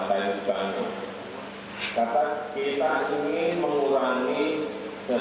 baik dianggapnya kereta baik dianggapnya trasek